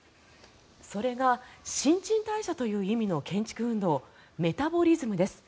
それが新陳代謝という意味の建築運動メタボリズムです。